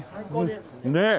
ねえ。